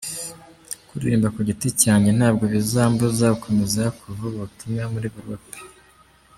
Kuririmba ku giti cyanjye ntabwo bizambuza gukomeza kuvuga ubutumwa muri group.